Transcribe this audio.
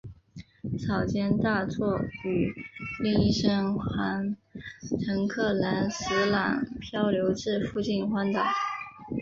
草间大作与另一生还乘客岚十郎漂流至附近荒岛。